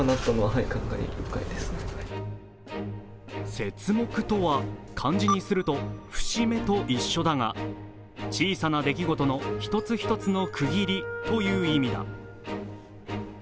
せつもくとは漢字にすると節目と一緒だが小さな出来事の一つ一つの区切りという意味だ。